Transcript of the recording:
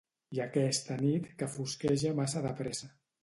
I aquesta nit que fosqueja massa de pressa.